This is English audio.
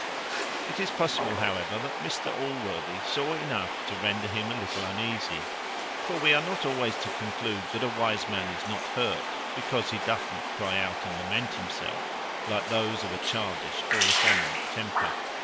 It is possible, however, that Mr Allworthy saw enough to render him a little uneasy; for we are not always to conclude, that a wise man is not hurt, because he doth not cry out and lament himself, like those of a childish or effeminate temper.